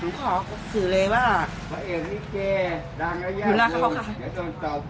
หนูขอสื่อเลยว่าหนูรักเขาค่ะ